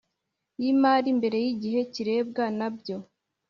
y imari mbere y igihe kirebwa na byo